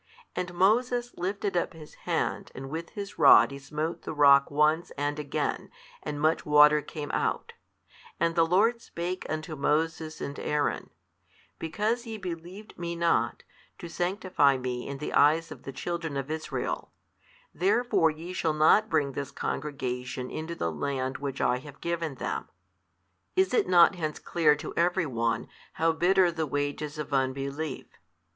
And Moses lifted up his hand and with his rod he smote the rock once and again, and much water came out: and the Lord spake unto Moses and Aaron, Because ye believed Me not, to sanctify Me in the eyes of the children of Israel, therefore ye shall not bring this congregation into the land which I have given them. Is it not hence clear to every one, how bitter the wages of unbelief?